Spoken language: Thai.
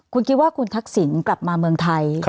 คุณคิดว่าคุณทักษิณกลับมาเมืองไทย